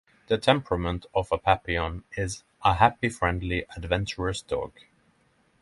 The temperament of a papillon is a happy, friendly, adventurous dog.